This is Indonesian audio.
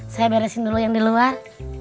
saya beresin dulu yang di luar